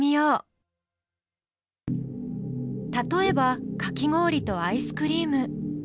例えばかき氷とアイスクリーム。